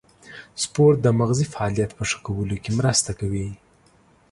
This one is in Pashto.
سپورت د مغزي فعالیت په ښه کولو کې مرسته کوي.